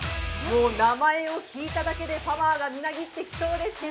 名前を聞いただけでパワーがみなぎってきそうですが。